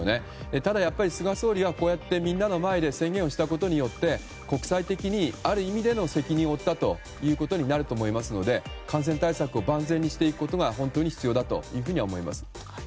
ただ、やっぱり菅総理はこうやって、みんなの前で宣言をしたことによって国際的にある意味での責任を負ったということになると思いますので感染対策を万全にしていくことが本当に必要だと思います。